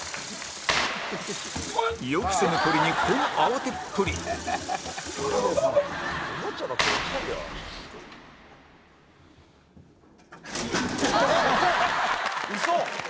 予期せぬ鳥にこの慌てっぷり嘘！